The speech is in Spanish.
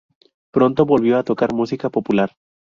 Pronto volvió a tocar música popular.